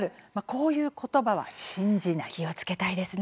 こういう言葉は信じない。